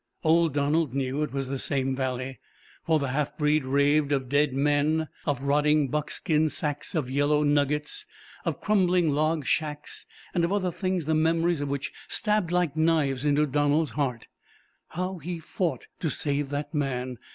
Old Donald knew it was the same valley, for the half breed raved of dead men, of rotting buckskin sacks of yellow nuggets, of crumbling log shacks, and of other things the memories of which stabbed like knives into Donald's heart. How he fought to save that man!